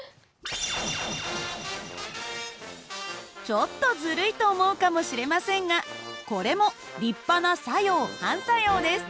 ちょっとずるいと思うかもしれませんがこれも立派な作用・反作用です。